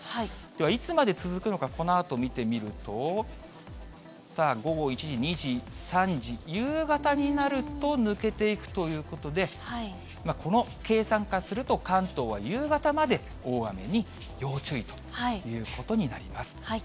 ではいつまで続くのか、このあと見てみると、さあ、午後１時、２時、３時、夕方になると抜けていくということで、この計算からすると関東は夕方まで大雨に要注意ということになります。